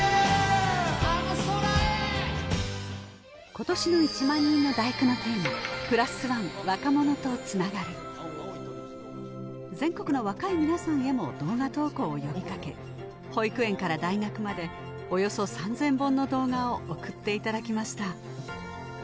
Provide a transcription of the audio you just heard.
今年の「１万人の第九」のテーマ全国の若いみなさんへも動画投稿を呼びかけ保育園から大学までおよそ３０００本の動画を送っていただきました